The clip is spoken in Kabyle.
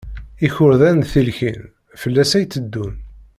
Ikurdan d tilkin, fell-as ay teddun.